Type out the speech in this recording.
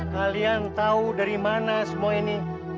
kalian tahu dari mana semua ini